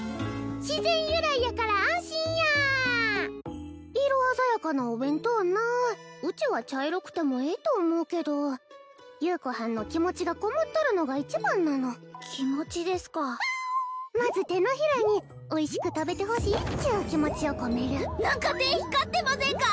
自然由来やから安心や色鮮やかなお弁当なうちは茶色くてもええと思うけど優子はんの気持ちがこもっとるのが一番なの気持ちですかまず手のひらにおいしく食べてほしいっちゅう気持ちを込める何か手光ってませんか？